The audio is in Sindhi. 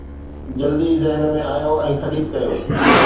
جلدي ذهن ۾ آيو ۽ خريد ڪيو